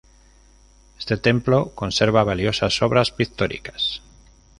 Este templo conserva valiosas obras pictóricas.